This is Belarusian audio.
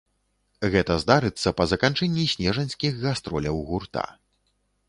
Гэта здарыцца па заканчэнні снежаньскіх гастроляў гурта.